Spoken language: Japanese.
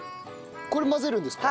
これ混ぜるんですか？